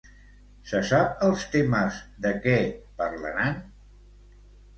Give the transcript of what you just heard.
Se sap els temes de què parlaran?